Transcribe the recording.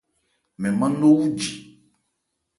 Mɛn mâ nó wúji.